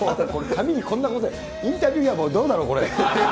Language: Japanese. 紙にこんな答え、インタビューはどうなの、これ。